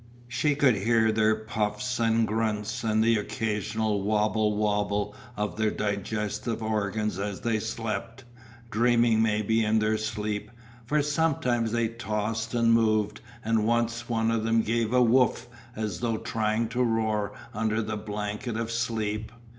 She could hear their puffs and grunts and the occasional wobble wobble of their digestive organs as they slept, dreaming maybe in their sleep, for sometimes they tossed and moved, and once one of them gave a "woof" as though trying to roar under the blanket of sleep.